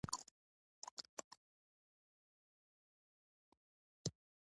هغه لارښوونې په پام کې ونيسئ چې د ايمان په څپرکي کې ذکر شوې.